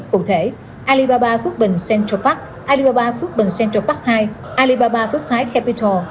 cụ thể alibaba phước bình central park alibaba phước bình central park hai alibaba phước thái capital